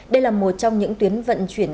đây là một trong những tuyến vận chuyển